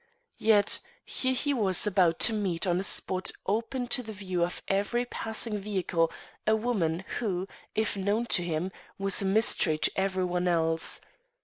Yet here he was about to meet on a spot open to the view of every passing vehicle, a woman who, if known to him, was a mystery to every one else.